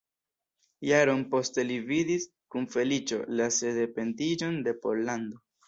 Jaron poste li vidis kun feliĉo la sendependiĝon de Pollando.